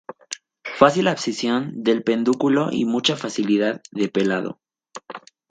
Fácil abscisión del pedúnculo y mucha facilidad de pelado.